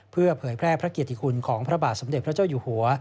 เพื่อเผยแพร่พระเกียรติคุณของพระบาทสมเด็จพระเจ้าอยู่หัว